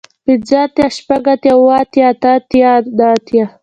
پنځۀ اتيا شپږ اتيا اووه اتيا اتۀ اتيا